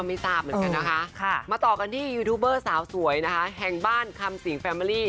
มาต่อกันที่ยูทูปเบอร์สาวสวยแห่งบ้านคำสิงค์แฟมิลี่